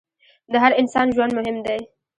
د هر انسان ژوند مهم دی.